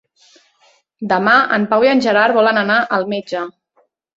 Demà en Pau i en Gerard volen anar al metge.